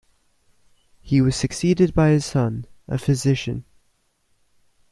He was succeeded by his son, a physician.